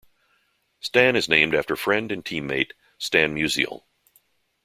Stan is named after friend and teammate Stan Musial.